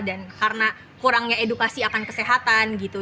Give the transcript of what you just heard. dan karena kurangnya edukasi akan kesehatan gitu